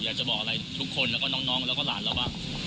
อยากจะบอกอะไรทุกคนแล้วก็น้องแล้วก็หลานเราว่า